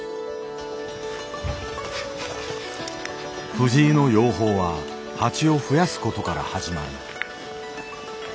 藤井の養蜂は蜂をふやすことから始まる。